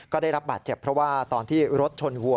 ก็ได้รับบาดเจ็บเพราะว่าตอนที่รถชนวัว